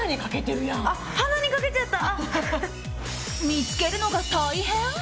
見つけるのが大変？